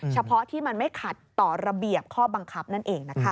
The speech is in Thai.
เฉพาะที่มันไม่ขัดต่อระเบียบข้อบังคับนั่นเองนะคะ